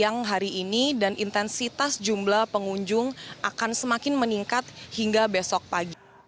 siang hari ini dan intensitas jumlah pengunjung akan semakin meningkat hingga besok pagi